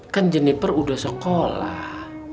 kan jeniper udah sekolah